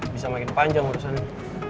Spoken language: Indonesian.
bisa makin panjang urusan ini